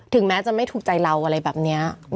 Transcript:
แม้จะไม่ถูกใจเราอะไรแบบนี้